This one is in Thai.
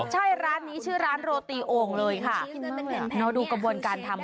ใช่ร้านนี้ชื่อร้านโรตีโอ่งเลยค่ะรอดูกระบวนการทำ